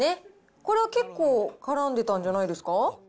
これは結構、からんでたんじゃないですか。